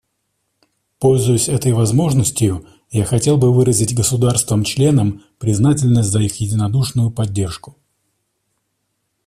Пользуясь этой возможностью, я хотел бы выразить государствам-членам признательность за их единодушную поддержку.